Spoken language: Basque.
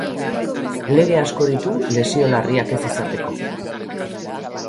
Lege asko ditu lesio larriak ez izateko.